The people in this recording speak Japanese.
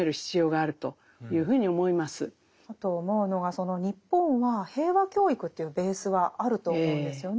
あと思うのが日本は平和教育というベースはあると思うんですよね。